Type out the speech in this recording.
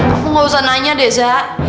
aku gak usah nanya deh zak